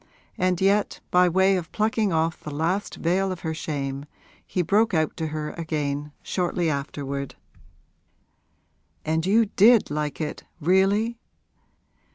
And yet, by way of plucking off the last veil of her shame, he broke out to her again, shortly afterward, 'And you did like it, really?'